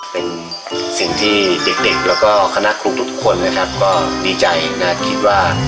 เป็นสิ่งที่เด็กเด็กแล้วก็คณะครูทุกคนนะครับก็ดีใจน่าคิดว่า